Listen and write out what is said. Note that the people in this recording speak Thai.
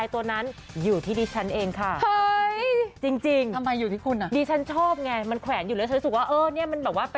ฟอทตวินมือของที่ไทยรัฐเรานี่แหละ